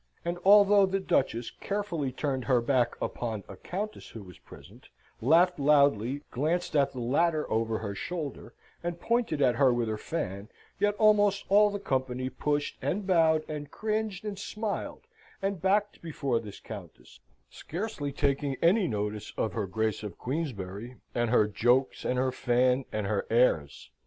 And though the duchess carefully turned her back upon a countess who was present, laughed loudly, glanced at the latter over her shoulder, and pointed at her with her fan, yet almost all the company pushed, and bowed, and cringed, and smiled, and backed before this countess, scarcely taking any notice of her Grace of Queensberry and her jokes, and her fan, and her airs.